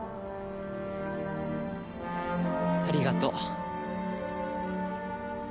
ありがとう。